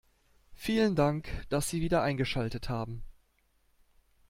Vielen Dank, dass Sie wieder eingeschaltet haben.